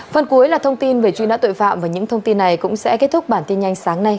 phần cuối là thông tin về truy nã tội phạm và những thông tin này cũng sẽ kết thúc bản tin nhanh sáng nay